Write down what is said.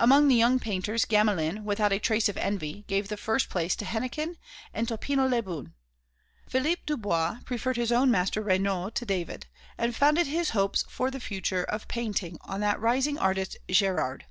Among the young painters, Gamelin, without a trace of envy, gave the first place to Hennequin and Topino Lebrun. Philippe Dubois preferred his own master Regnault to David, and founded his hopes for the future of painting on that rising artist Gérard.